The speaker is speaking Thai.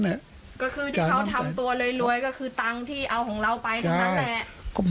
ก็คือที่เขาทำตัวรวยก็คือตังค์ที่เอาของเราไปตรงนั้นแหละ